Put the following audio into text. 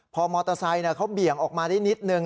พอมอเตอร์ไซค์เขาเบี่ยงออกมาได้นิดนึง